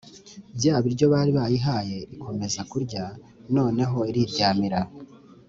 bya biryo bari bayihaye, ikomeza kurya, noneho iriryamira.